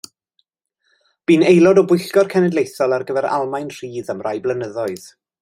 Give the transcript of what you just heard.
Bu'n aelod o Bwyllgor Cenedlaethol ar gyfer Almaen Rhydd am rai blynyddoedd.